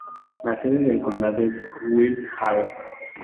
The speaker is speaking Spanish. La sede del condado es Guildhall.